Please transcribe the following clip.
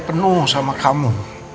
penuh sama kamu